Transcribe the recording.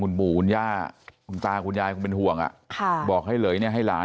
คุณปู่คุณย่าคุณตาคุณยายคงเป็นห่วงอ่ะค่ะบอกให้เหลยเนี่ยให้หลาน